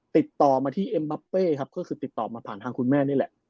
ติดต่อมาที่เอ็มบับเป้ครับก็คือติดต่อมาผ่านทางคุณแม่นี่แหละ